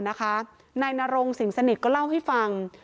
นายนรงสิงสนิทก็เล่าให้ฟัง